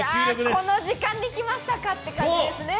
この時間で来ましたかって感じですね。